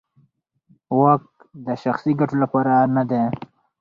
واک د شخصي ګټو لپاره نه دی.